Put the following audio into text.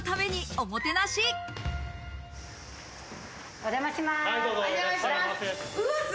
お邪魔します。